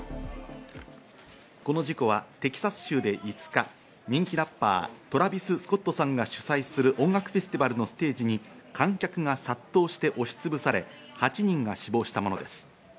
この事故はテキサス州で５日、人気ラッパーのトラビス・スコットさんが主催する音楽フェスティバルのステージに観客が殺到して押しつぶされ、８人が死亡したものです。